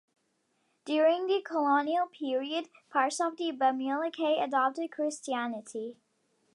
During the colonial period, parts of the Bamileke adopted Christianity.